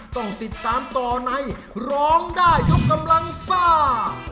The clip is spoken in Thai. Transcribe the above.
ต้องติดตามต่อในร้องได้ยกกำลังซ่า